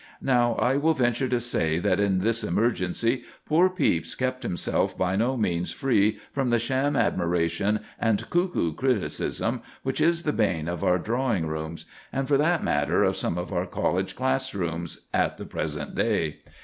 Now, I will venture to say that in this emergency poor Pepys kept himself by no means free from the sham admiration and cuckoo criticism which is the bane of our drawing rooms, and, for that matter, of some of our college classrooms, at the present day.